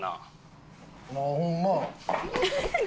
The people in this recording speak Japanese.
ああホンマ？